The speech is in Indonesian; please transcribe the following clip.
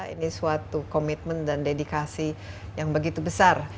ini suatu komitmen dan dedikasi yang begitu besar